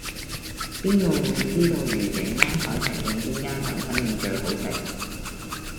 邊個會知道愉景灣海堤徑邊間雲吞麵最好食